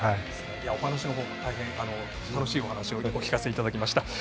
お話の方も大変、楽しいお話をお聞かせいただきました。